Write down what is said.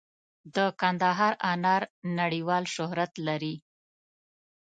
د کندهار انار نړیوال شهرت لري.